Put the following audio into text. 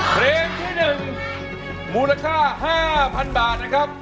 เพลงที่๑มูลค่า๕๐๐๐บาทนะครับ